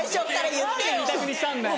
何で２択にしたんだよ。